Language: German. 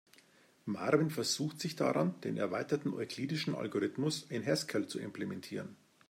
Marvin versucht sich daran, den erweiterten euklidischen Algorithmus in Haskell zu implementieren.